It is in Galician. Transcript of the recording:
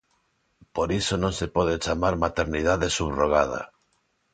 Por iso non se pode chamar maternidade subrogada.